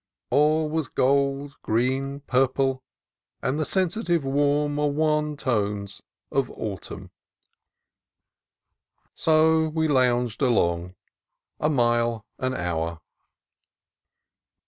All was gold, green, purple, and the sensitive warm or wan tones of autumn. So we lounged along, a mile an hour.